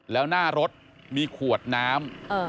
แล้วหน้ารถมีขวดน้ำ